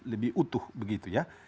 lebih utuh begitu ya